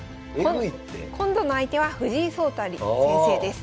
今度の相手は藤井聡太先生です。